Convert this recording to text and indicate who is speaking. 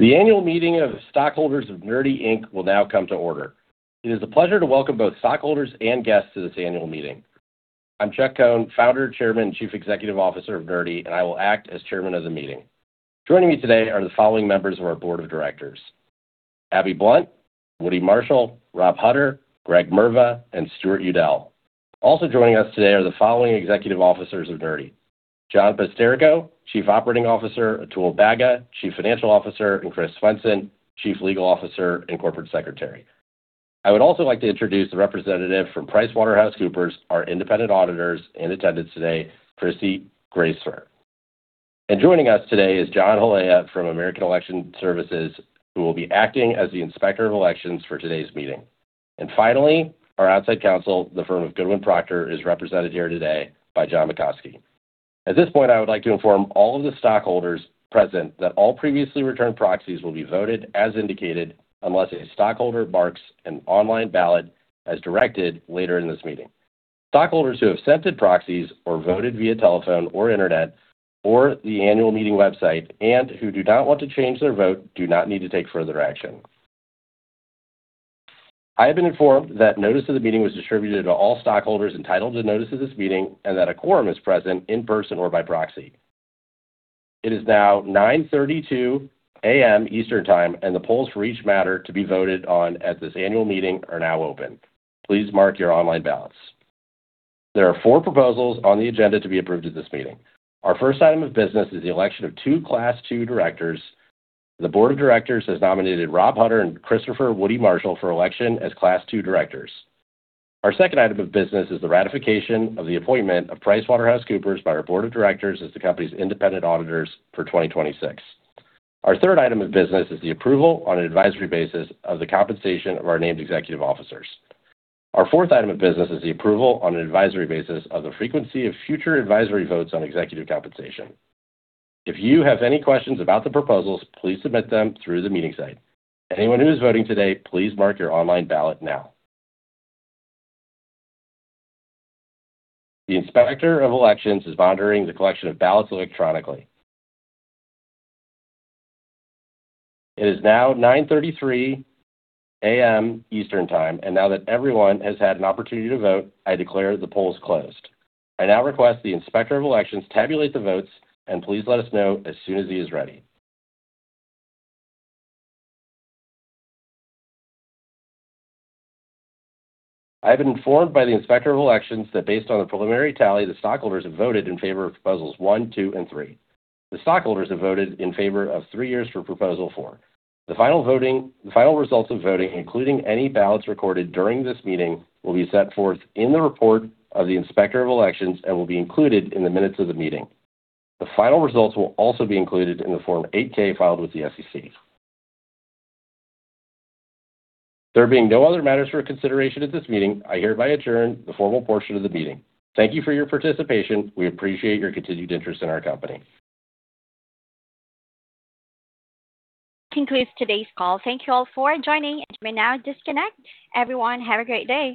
Speaker 1: The annual meeting of the stockholders of Nerdy Inc. will now come to order. It is a pleasure to welcome both stockholders and guests to this annual meeting. I'm Chuck Cohn, founder, chairman, and chief executive officer of Nerdy, and I will act as chairman of the meeting. Joining me today are the following members of our board of directors, Abigail Blunt, Woody Marshall, Rob Hutter, Greg Mrva, and Stuart Udell. Also joining us today are the following executive officers of Nerdy, John Paszterko, chief operating officer, Atul Bagga, chief financial officer, and Christopher Swenson, chief legal officer and corporate secretary. I would also like to introduce the representative from PricewaterhouseCoopers, our independent auditors, in attendance today, Christy Gracier. Joining us today is John Holewa from American Election Services, who will be acting as the inspector of elections for today's meeting. Finally, our outside counsel, the firm of Goodwin Procter, is represented here today by John Mutkoski. At this point, I would like to inform all of the stockholders present that all previously returned proxies will be voted as indicated unless a stockholder marks an online ballot as directed later in this meeting. Stockholders who have sent proxies or voted via telephone or Internet or the annual meeting website and who do not want to change their vote do not need to take further action. I have been informed that notice of the meeting was distributed to all stockholders entitled to notice of this meeting and that a quorum is present in person or by proxy. It is now 9:32 A.M. Eastern Time. The polls for each matter to be voted on at this annual meeting are now open. Please mark your online ballots. There are four proposals on the agenda to be approved at this meeting. Our first item of business is the election of two Class II directors. The board of directors has nominated Rob Hutter and Christopher Woody Marshall for election as Class II directors. Our second item of business is the ratification of the appointment of PricewaterhouseCoopers by our board of directors as the company's independent auditors for 2026. Our third item of business is the approval on an advisory basis of the compensation of our named executive officers. Our fourth item of business is the approval on an advisory basis of the frequency of future advisory votes on executive compensation. If you have any questions about the proposals, please submit them through the meeting site. Anyone who is voting today, please mark your online ballot now. The inspector of elections is monitoring the collection of ballots electronically. It is now 9:33 A.M. Eastern Time, and now that everyone has had an opportunity to vote, I declare the polls closed. I now request the inspector of elections tabulate the votes, and please let us know as soon as he is ready. I have been informed by the inspector of elections that based on the preliminary tally, the stockholders have voted in favor of proposals one, two, and three. The stockholders have voted in favor of three years for proposal four. The final results of voting, including any ballots recorded during this meeting, will be set forth in the report of the inspector of elections and will be included in the minutes of the meeting. The final results will also be included in the Form 8-K filed with the SEC. There being no other matters for consideration at this meeting, I hereby adjourn the formal portion of the meeting. Thank you for your participation. We appreciate your continued interest in our company.
Speaker 2: That concludes today's call. Thank you all for joining. You may now disconnect. Everyone, have a great day.